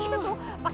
kita harus ke rumah